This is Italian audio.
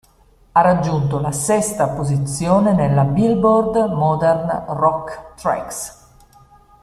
Ha raggiunto la sesta posizione nella Billboard Modern Rock Tracks.